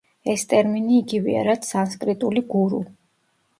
ეს ტერმინი იგივეა, რაც სანსკრიტული „გურუ“.